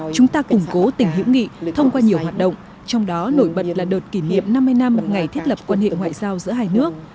chúng ta củng cố tình hữu nghị thông qua nhiều hoạt động trong đó nổi bật là đợt kỷ niệm năm mươi năm ngày thiết lập quan hệ ngoại giao giữa hai nước